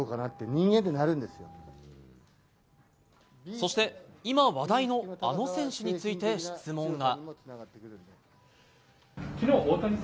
そして今、話題のあの選手について質問が。